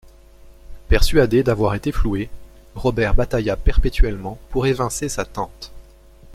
Persuadé d'avoir été floué, Robert batailla perpétuellement pour évincer sa tante.